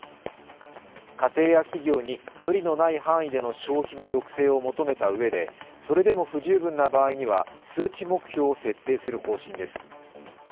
家庭や企業に無理のない範囲での消費の抑制を求めたうえでそれでも不十分な場合には数値目標を設定する方針です。